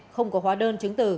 không có hóa đơn chứng từ